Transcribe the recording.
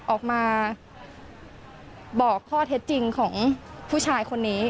ออกมาบอกข้อเท็จจริงของผู้ชายคนนี้